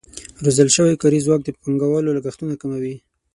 روزل شوی کاري ځواک د پانګوالو لګښتونه کموي.